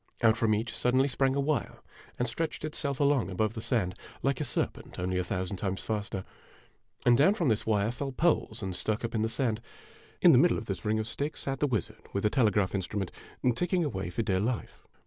Out from each sud denly sprang a wire and stretched itself along above the sand, like a serpent, only a thousand times faster ; and down from this wire fell poles and stuck up in the sand. In the middle of the ring of sticks sat the wizard, with a telegraph instrument, ticking away for dear life.